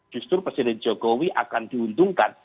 justru presiden jokowi akan diuntungkan